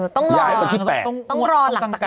ต้องรอหลังจากนี้หรือเปล่า